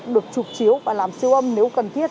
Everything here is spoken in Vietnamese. được chụp chiếu và làm siêu âm nếu cần thiết